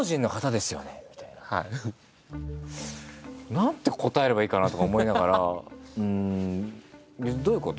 何て答えればいいかな？とか思いながら「どういうこと？」